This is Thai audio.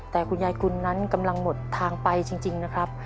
แต่คุณยายกุลนั้นกำลังหมดทางไปจริงนะครับ